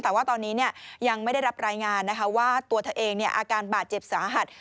แต่ว่าตอนนี้ยังไม่ได้รับรายงานนะคะว่าตัวเธอเองอาการบาดเจ็บสาหัส